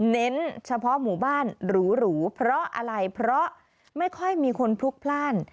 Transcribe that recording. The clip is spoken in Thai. เน้นเฉพาะหมู่บ้านหรูเพราะอะไรเพราะไม่ค่อยมีคนพลุกพลาด